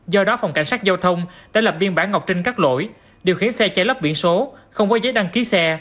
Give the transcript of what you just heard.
do đó phòng cảnh sát giao thông đã lập biên bản ngọc trinh cắt lỗi điều khiển xe chạy lấp biển số không có giấy đăng ký xe